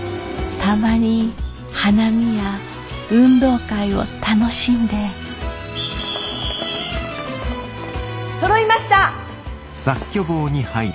たまに花見や運動会を楽しんでそろいました！